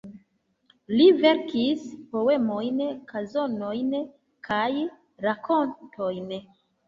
Li verkis poemojn, kanzonojn kaj rakontojn.